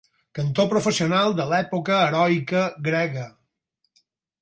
Cantor professional de l'època heroica grega.